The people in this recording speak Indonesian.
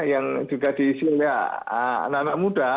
yang juga diisi oleh anak anak muda